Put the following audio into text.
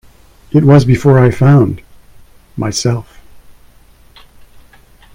It was before I found — myself!